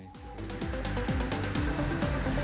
demi pembuatan jalan ini